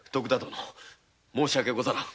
申し訳ござらん。